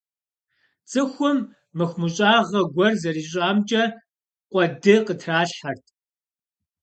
Цӏыхум мыхумыщӏагъэ гуэр зэрищӏамкӏэ къуэды къытралъхьэрт.